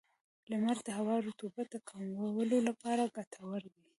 • لمر د هوا د رطوبت د کمولو لپاره ګټور دی.